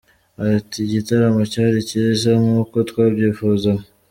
Ati: “igitaramo cyari kiza nk’uko twabyifuzaga.